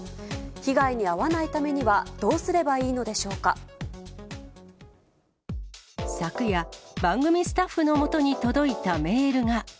被害に遭わないためにはどうすれ昨夜、番組スタッフのもとに届いたメールが。